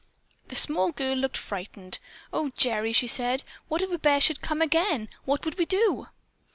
The small girl looked frightened. "Oh, Gerry," she said, "what if a bear should come again? What would we do?"